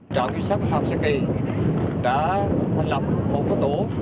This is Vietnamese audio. trọng nghiệp sắp phạm sẽ kỳ đã thành lập một cơ tố